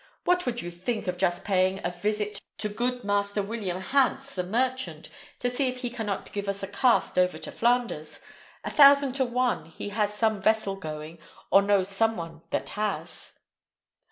What would you think of just paying a visit to good Master William Hans, the merchant, to see if he cannot give us a cast over to Flanders? A thousand to one he has some vessel going, or knows some one that has."